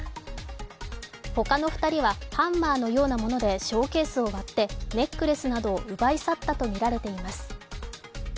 他の２人はハンマーのようなものでショーケースを割ってネックレスなどを奪い去ったとみられています。